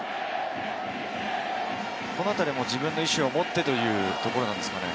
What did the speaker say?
このあたりは自分の意思を持ってというところなんですかね。